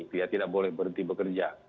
dia tidak boleh berhenti bekerja